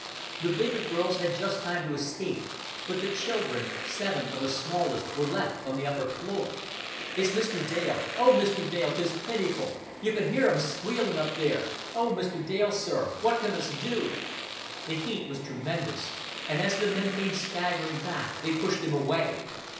The bigger girls had just time to escape; but the children, seven of the smallest, were left on the upper floor. "It's Mr. Dale. Oh, Mr. Dale, 'tis pitiful. You can hear 'em squealin' up theer. Oh, Mr. Dale, sir, what can us do?" The heat was tremendous, and as the men came staggering back they pushed him away.